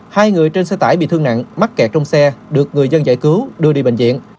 hai người trên xe tải bị thương nặng mắc kẹt trong xe được người dân giải cứu đưa đi bệnh viện